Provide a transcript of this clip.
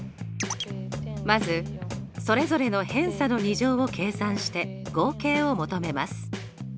まずそれぞれの偏差の２乗を計算して合計を求めます。